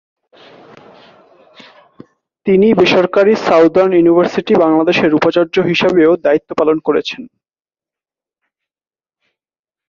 তিনি বেসরকারি southern university Bangladesh এর উপাচার্য হিসেবেও দায়িত্ব পালন করেছেন।